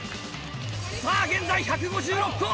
さぁ現在１５６個！